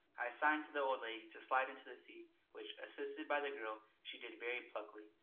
I signed to the old lady to slide into the sea which, assisted by the girl, she did very pluckily.